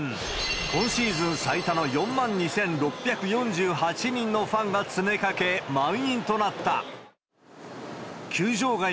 今シーズン最多の４万２６４８人のファンが詰めかけ、満員となった。